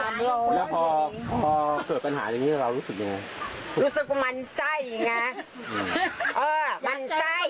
พอเกิดปัญหาอย่างงี้เรารู้สึกยังไงรู้สึกปุ้มมั่นไส้เองอ๋อ